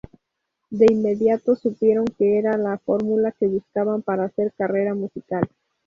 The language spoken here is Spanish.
De inmediato supieron que era la fórmula que buscaban para hacer carrera musical.